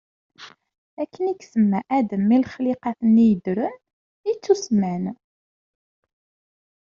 Akken i yesemma Adam i lexliqat-nni yeddren, i ttusemman.